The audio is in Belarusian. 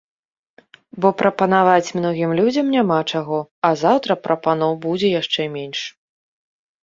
Бо прапанаваць многім людзям няма чаго, а заўтра прапаноў будзе яшчэ менш.